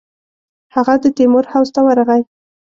هغه د تیمور حضور ته ورغی.